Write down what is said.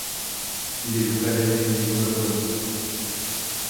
Il est le frère aîné de Nicolas Boileau.